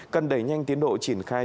cần đẩy nhanh tiến độ triển khai